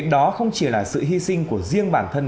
đó không chỉ là sự hy sinh của riêng bản thân